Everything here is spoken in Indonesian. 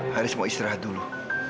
haris mau istirahat dulu